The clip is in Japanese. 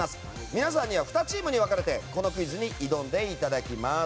皆さんには２チームに分かれてこのクイズに挑んでいただきます。